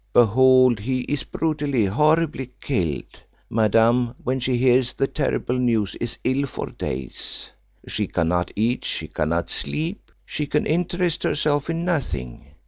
Behold, he is brutally, horribly killed. Madame, when she hears the terrible news, is ill for days; she cannot eat, she cannot sleep; she can interest herself in nothing.